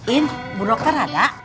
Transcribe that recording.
in bu dokter ada